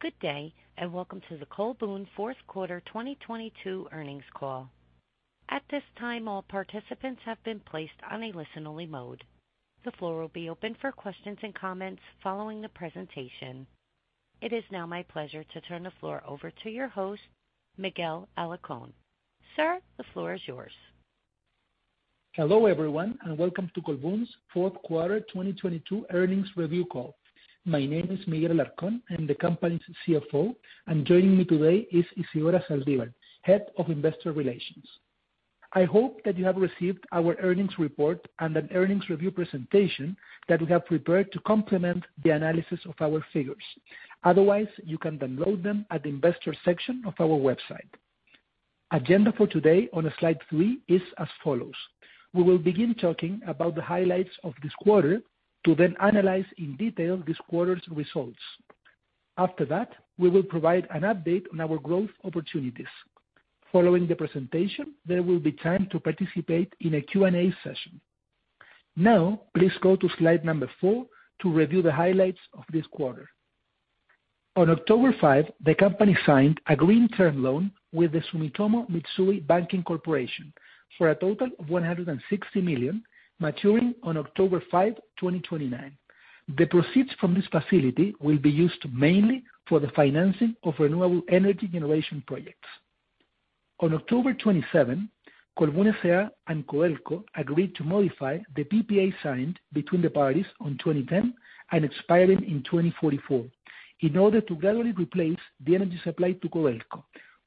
Good day. Welcome to the Colbún Fourth Quarter 2022 earnings call. At this time, all participants have been placed on a listen-only mode. The floor will be open for questions and comments following the presentation. It is now my pleasure to turn the floor over to your host, Miguel Alarcón. Sir, the floor is yours. Hello everyone. Welcome to Colbún's fourth quarter 2022 earnings review call. My name is Miguel Alarcón. I'm the company's CFO. Joining me today is Isidora Zaldívar, Head of Investor Relations. I hope that you have received our earnings report and an earnings review presentation that we have prepared to complement the analysis of our figures. Otherwise, you can download them at investor section of our website. Agenda for today on slide 3 is as follows: We will begin talking about the highlights of this quarter to then analyze in detail this quarter's results. We will provide an update on our growth opportunities. Following the presentation, there will be time to participate in a Q&A session. Now, please go to slide 4 to review the highlights of this quarter. On October 5, the company signed a green term loan with the Sumitomo Mitsui Banking Corporation for a total of $160 million, maturing on October 5, 2029. The proceeds from this facility will be used mainly for the financing of renewable energy generation projects. On October 27, Colbún S.A. and Codelco agreed to modify the PPA signed between the parties on 2010 and expiring in 2044 in order to gradually replace the energy supply to Codelco,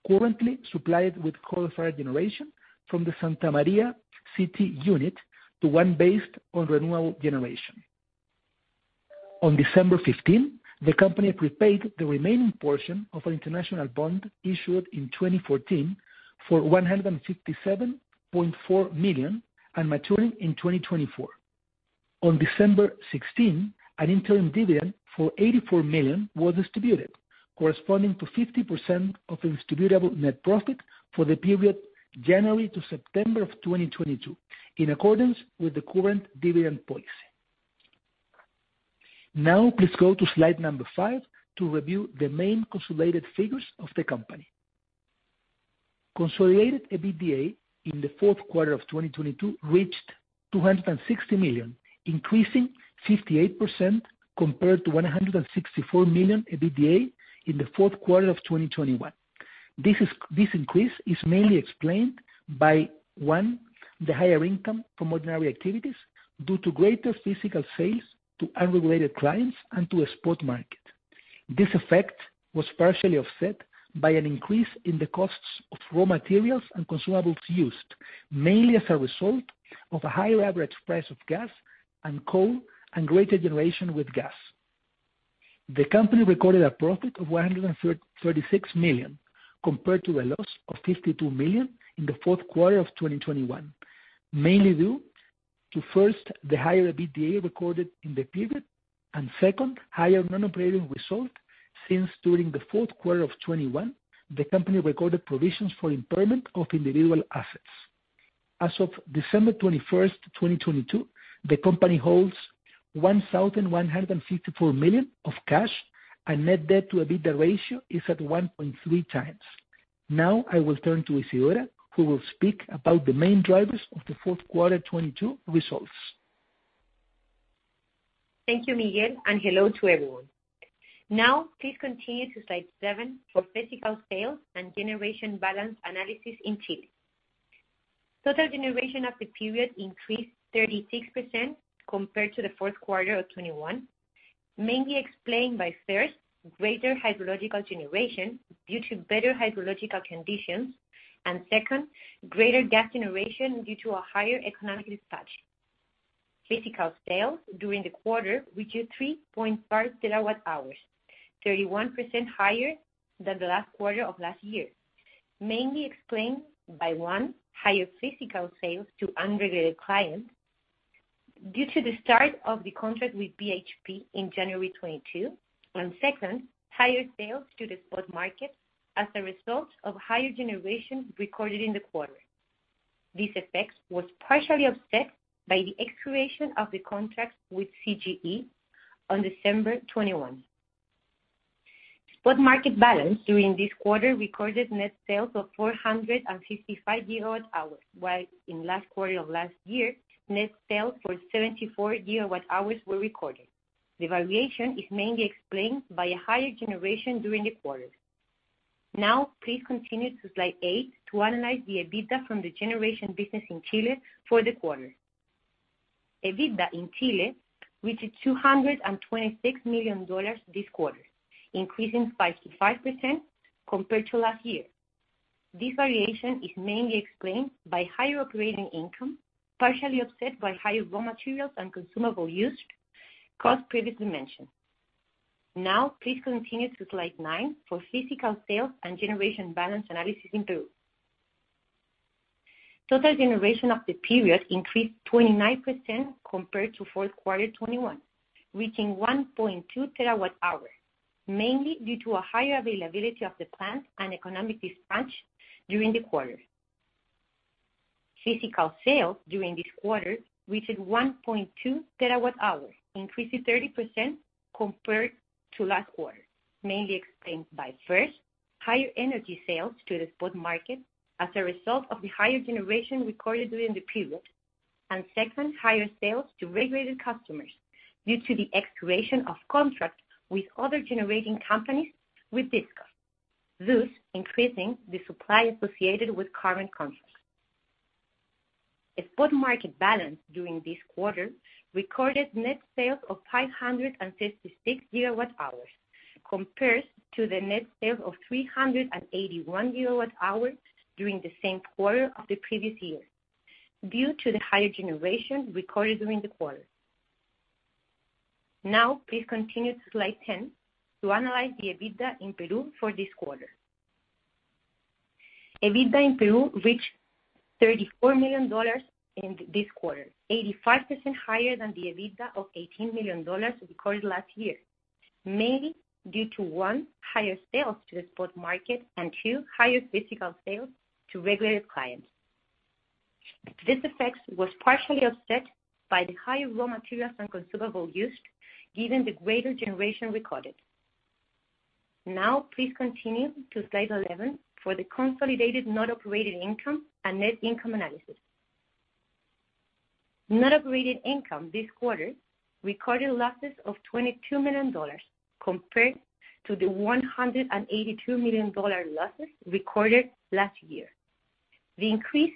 currently supplied with coal-fired generation from the Santa Maria CT Unit to one based on renewable generation. On December 15, the company prepaid the remaining portion of an international bond issued in 2014 for $157.4 million and maturing in 2024. On December 16, an interim dividend for $84 million was distributed, corresponding to 50% of the distributable net profit for the period January to September of 2022, in accordance with the current dividend policy. Please go to slide number 5 to review the main consolidated figures of the company. Consolidated EBITDA in the fourth quarter of 2022 reached $260 million, increasing 58% compared to $164 million EBITDA in the fourth quarter of 2021. This increase is mainly explained by, one, the higher income from ordinary activities due to greater physical sales to unregulated clients and to a spot market. This effect was partially offset by an increase in the costs of raw materials and consumables used, mainly as a result of a higher average price of gas and coal and greater generation with gas. The company recorded a profit of $136 million, compared to a loss of $52 million in the fourth quarter of 2021, mainly due to, first, the higher EBITDA recorded in the period, and second, higher non-operating results, since during the fourth quarter of 2021, the company recorded provisions for impairment of individual assets. As of December 21st, 2022, the company holds $1,154 million of cash, and net debt to EBITDA ratio is at 1.3 times. Now, I will turn to Isidora, who will speak about the main drivers of the fourth quarter 2022 results. Thank you, Miguel. Hello to everyone. Now, please continue to slide 7 for physical sales and generation balance analysis in Chile. Total generation of the period increased 36% compared to the fourth quarter of 2021, mainly explained by, first, greater hydrological generation due to better hydrological conditions. Second, greater gas generation due to a higher economic dispatch. Physical sales during the quarter reached 3.5 TW-hours, 31% higher than the last quarter of last year, mainly explained by, one, higher physical sales to unregulated clients due to the start of the contract with BHP in January 2022. Second, higher sales to the spot market as a result of higher generation recorded in the quarter. These effects was partially offset by the expiration of the contract with CGE on December 2021. Spot market balance during this quarter recorded net sales of 455 GW-hours, while in last quarter of last year, net sales for 74 GW-hours were recorded. The variation is mainly explained by a higher generation during the quarter. Now, please continue to slide 8 to analyze the EBITDA from the generation business in Chile for the quarter. EBITDA in Chile reached $226 million this quarter, increasing by 55% compared to last year. This variation is mainly explained by higher operating income, partially offset by higher raw materials and consumable use costs previously mentioned. Now, please continue to slide 9 for physical sales and generation balance analysis in Peru. Total generation of the period increased 29% compared to Q4 2021, reaching 1.2 TW-hours, mainly due to a higher availability of the plant and economic dispatch during the quarter. Physical sales during this quarter reached 1.2 TW-hours, increasing 30% compared to last quarter, mainly explained by, first, higher energy sales to the spot market as a result of the higher generation recorded during the period, and second, higher sales to regulated customers due to the expiration of contracts with other generating companies with DISCO, thus increasing the supply associated with current contracts. A spot market balance during this quarter recorded net sales of 556 GW-hours, compares to the net sales of 381 GW-hours during the same quarter of the previous year due to the higher generation recorded during the quarter. Please continue to slide 10 to analyze the EBITDA in Peru for this quarter. EBITDA in Peru reached $34 million in this quarter, 85% higher than the EBITDA of $18 million recorded last year, mainly due to, one, higher sales to the spot market, and two, higher physical sales to regulated clients. This effect was partially offset by the higher raw materials and consumable use, given the greater generation recorded. Please continue to slide 11 for the consolidated net operating income and net income analysis. Net operating income this quarter recorded losses of $22 million compared to the $182 million losses recorded last year. The increase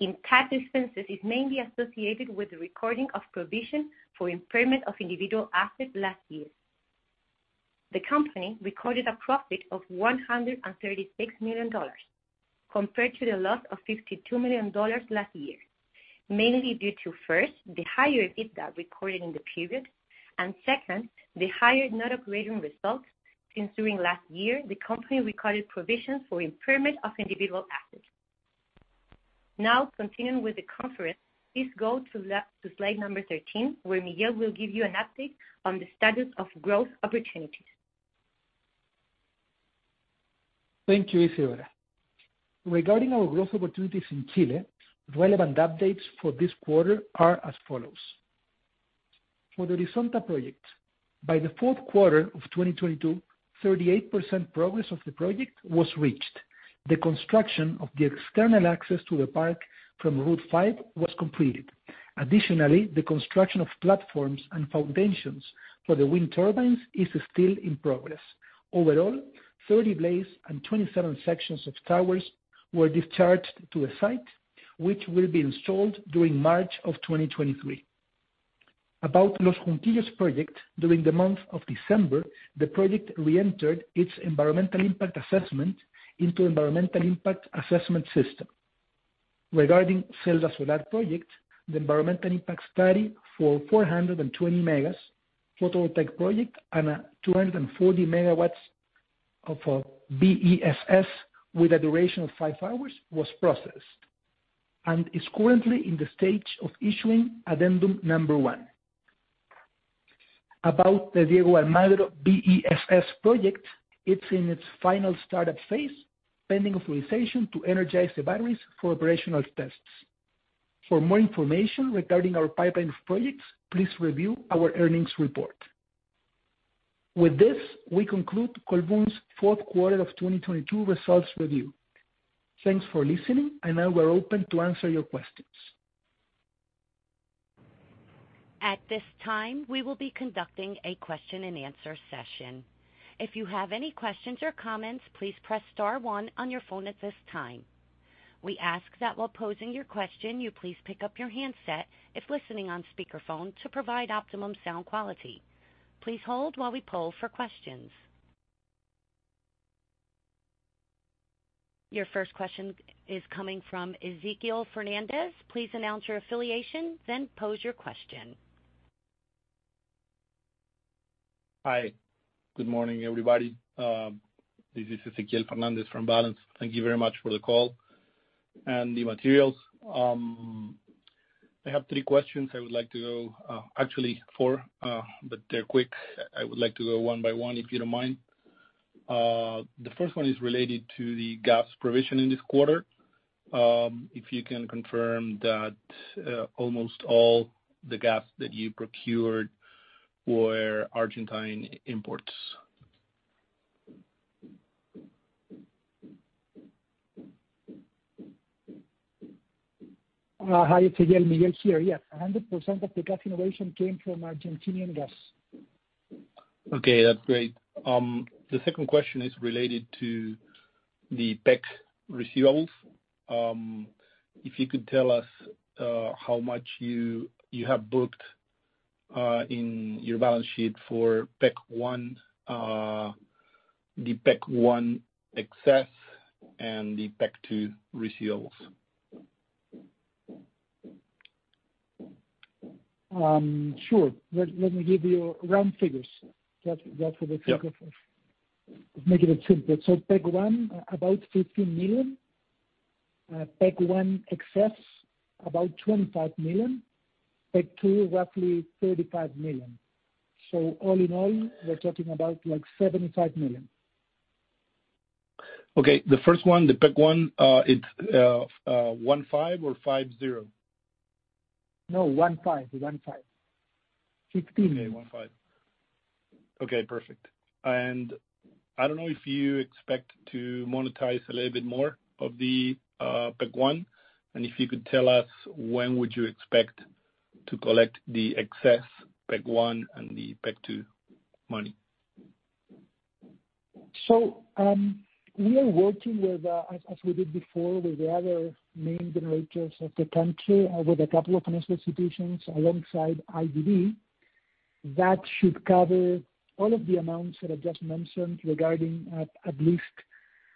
in tax expenses is mainly associated with the recording of provision for impairment of individual assets last year. The company recorded a profit of $136 million compared to the loss of $52 million last year, mainly due to, first, the higher EBITDA recorded in the period, and second, the higher net operating results, since during last year the company recorded provisions for impairment of individual assets. Continuing with the conference, please go to slide 13, where Miguel will give you an update on the status of growth opportunities. Thank you, Isidora. Regarding our growth opportunities in Chile, relevant updates for this quarter are as follows: For the Horizonte project, by the fourth quarter of 2022, 38% progress of the project was reached. The construction of the external access to the park from Route 5 was completed. The construction of platforms and foundations for the wind turbines is still in progress. 30 blades and 27 sections of towers were discharged to a site which will be installed during March of 2023. Junquillos project, during the month of December, the project reentered its environmental impact assessment into environmental impact assessment system. Regarding Celda Solar project, the environmental impact study for 420 megas photovoltaic project and 240 megawatts of BESS with a duration of five hours was processed and is currently in the stage of issuing addendum 1. About the Diego de Almagro BESS project, it's in its final start-up phase, pending authorization to energize the batteries for operational tests. For more information regarding our pipeline of projects, please review our earnings report. With this, we conclude Colbún's fourth quarter of 2022 results review. Thanks for listening, and now we're open to answer your questions. At this time, we will be conducting a question-and-answer session. If you have any questions or comments, please press star one on your phone at this time. We ask that while posing your question, you please pick up your handset if listening on speakerphone to provide optimum sound quality. Please hold while we poll for questions. Your first question is coming from Ezequiel Fernandez. Please announce your affiliation, then pose your question. Hi, good morning, everybody. This is Ezequiel Fernandez from Balanz. Thank you very much for the call and the materials. I have three questions I would like to go. Actually four, but they're quick. I would like to go one by one, if you don't mind. The first one is related to the gas provision in this quarter, if you can confirm that almost all the gas that you procured were Argentine imports. Hi, Ezequiel. Miguel here. Yes, 100% of the gas innovation came from Argentinian gas. Okay, that's great. The second question is related to the PEC receivables. If you could tell us how much you have booked in your balance sheet for PEC 1, the PEC 1 excess and the PEC 2 receivables. Sure. Let me give you round figures. That's for the sake of. Yeah. making it simpler. PEC 1, about $15 million. PEC 1 excess, about $25 million. PEC 2, roughly $35 million. All in all, we're talking about, like, $75 million. Okay. The first one, the PEC 1, it's 15 or 50? No, 1, 5. 1, 5. 1, 5. Okay, 15. Perfect. I don't know if you expect to monetize a little bit more of the PEC 1. If you could tell us when would you expect to collect the excess PEC 1 and the PEC 2 money. We are working with, as we did before with the other main generators of the country, with a couple of financial institutions alongside IDB. That should cover all of the amounts that I've just mentioned regarding at least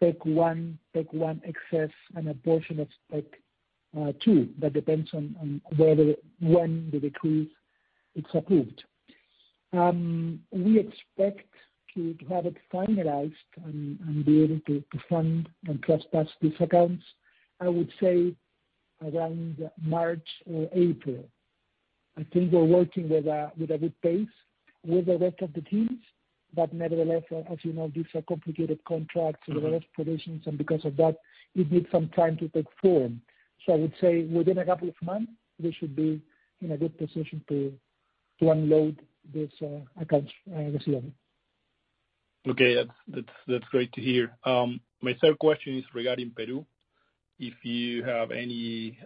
PEC 1, PEC 1 excess and a portion of PEC 2. That depends on whether when the decree is approved. We expect to have it finalized and be able to fund and cross this accounts, I would say around March or April. I think we're working with a, with a good pace with the rest of the teams, but nevertheless, as you know, these are complicated contracts- Mm-hmm. With a lot of provisions, and because of that, it needs some time to take form. I would say within a couple of months, we should be in a good position to unload this accounts this year. Okay. That's great to hear. My third question is regarding Peru. If you have any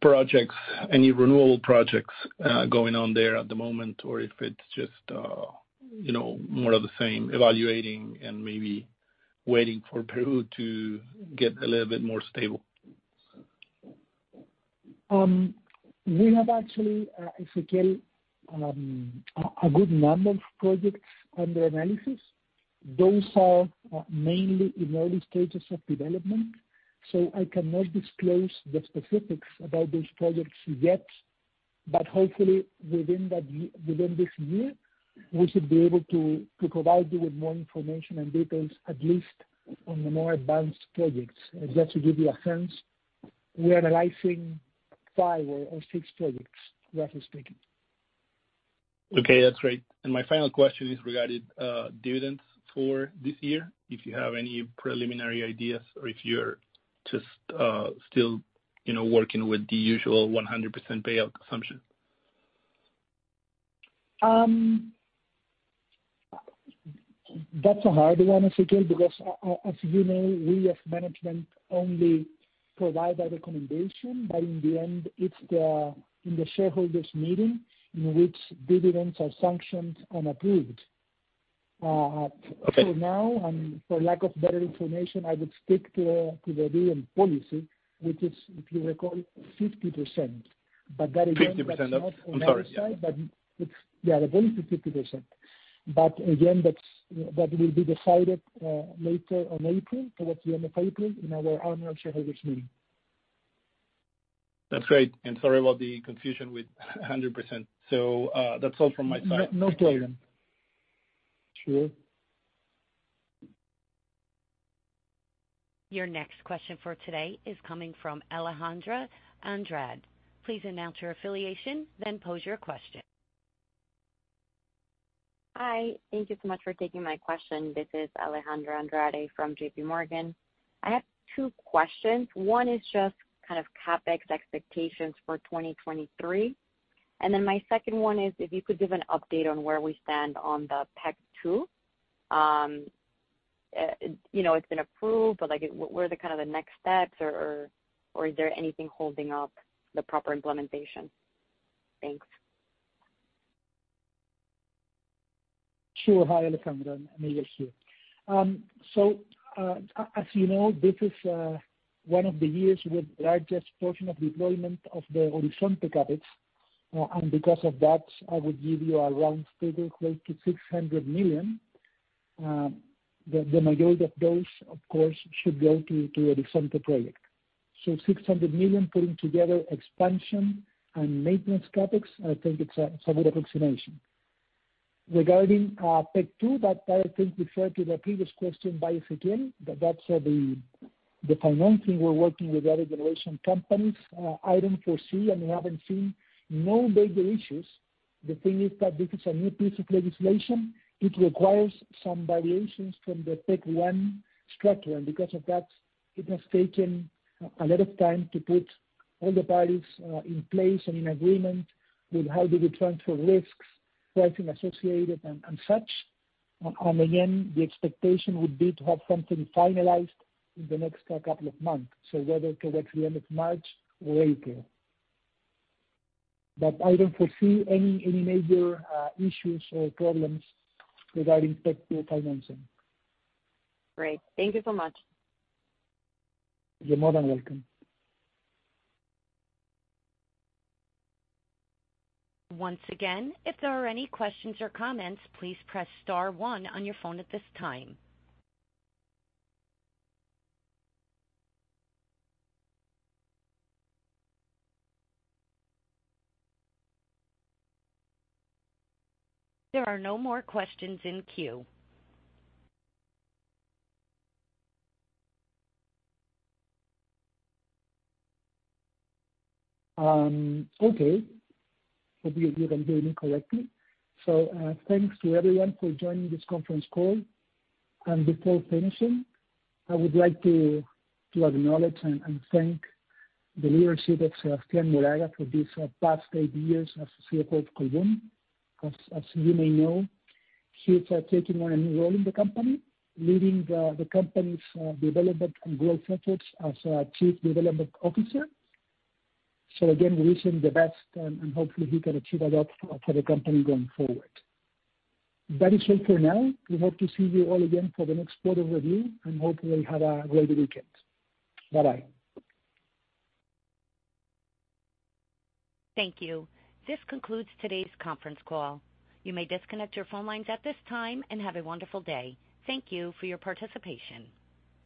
projects, any renewable projects going on there at the moment, or if it's just, you know, more of the same, evaluating and maybe waiting for Peru to get a little bit more stable? We have actually, Ezequiel, a good number of projects under analysis. Those are mainly in early stages of development, so I cannot disclose the specifics about those projects yet. Hopefully within this year, we should be able to provide you with more information and details, at least on the more advanced projects. Just to give you a sense, we're analyzing five or six projects, roughly speaking. Okay. That's great. My final question is regarding, dividends for this year, if you have any preliminary ideas or if you're just, still, you know, working with the usual 100% payout assumption. That's a hard one, Ezequiel, because as you know, we as management only provide a recommendation, but in the end, it's the, in the shareholders' meeting in which dividends are sanctioned and approved. Okay. Now and for lack of better information, I would stick to the dividend policy, which is, if you recall, 50%. That again. 50% of... Sorry, yeah. Yeah, the dividend is 50%. Again, that will be decided later on April, towards the end of April in our annual shareholders meeting. That's great. Sorry about the confusion with 100%. That's all from my side. No, no problem. Sure. Your next question for today is coming from Alejandra Andrade. Please announce your affiliation, then pose your question. Hi. Thank you so much for taking my question. This is Alejandra Andrade from JP Morgan. I have two questions. One is just kind of CapEx expectations for 2023. My second one is if you could give an update on where we stand on the PEC 2. you know, it's been approved, but like what are the kind of the next steps or is there anything holding up the proper implementation? Thanks. Sure. Hi, Alejandra. Miguel here. As you know, this is one of the years with largest portion of deployment of the Horizonte CapEx. Because of that, I would give you around figure close to $600 million. The majority of those, of course, should go to Horizonte project. $600 million putting together expansion and maintenance CapEx, I think it's a good approximation. Regarding PEC 2, that I think referred to the previous question by Ezequiel, that's the financing we're working with other generation companies. I don't foresee, and we haven't seen no major issues. The thing is that this is a new piece of legislation. It requires some variations from the PEC 1 structure, and because of that, it has taken a lot of time to put all the parties in place and in agreement with how do we transfer risks, pricing associated and such. Again, the expectation would be to have something finalized in the next couple of months. Whether towards the end of March or April. I don't foresee any major issues or problems regarding PEC 2 financing. Great. Thank you so much. You're more than welcome. Once again, if there are any questions or comments, please press star one on your phone at this time. There are no more questions in queue. Okay. Hope you can hear me correctly. Thanks to everyone for joining this conference call. Before finishing, I would like to acknowledge and thank the leadership of Thomas Keller for these past eight years as CEO of Colbún. As you may know, he is taking on a new role in the company, leading the company's development and growth efforts as our chief development officer. Again, we wish him the best and hopefully he can achieve a lot for the company going forward. That is all for now. We hope to see you all again for the next quarter review, and hopefully you have a great weekend. Bye-bye. Thank you. This concludes today's conference call. You may disconnect your phone lines at this time and have a wonderful day. Thank you for your participation.